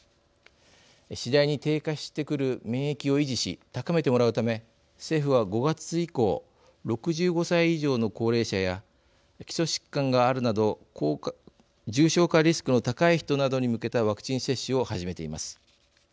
次第に低下してくる免疫を維持し高めてもらうため政府は、５月以降６５歳以上の高齢者や基礎疾患があるなど重症化リスクの高い人などに向けたワクチン接種を始めています。